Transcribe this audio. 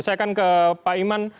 saya akan ke pak iman